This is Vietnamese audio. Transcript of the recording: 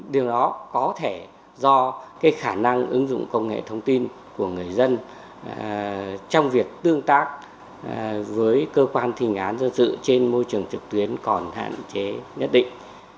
điều đó có thể do khả năng ứng dụng công nghệ thông tin của người dân trong việc tương tác với cơ quan thi hành án dân sự trên môi trường trực tuyến còn hạn chế nhất định